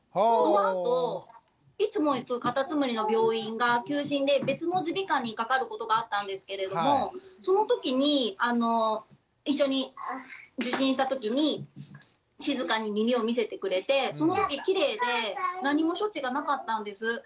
そのあといつも行くかたつむりの病院が休診で別の耳鼻科にかかることがあったんですけれどもそのときに一緒に受診したときに静かに耳を見せてくれてそのとききれいで何も処置がなかったんです。